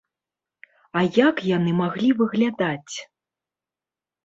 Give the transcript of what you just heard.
А як яны маглі выглядаць?